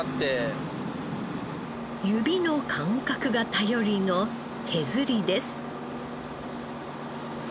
指の感覚が頼りの手釣りです。